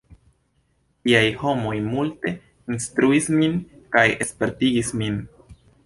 Tiaj homoj multe instruis min kaj spertigis min.